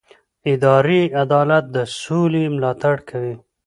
اداري عدالت د سولې ملاتړ کوي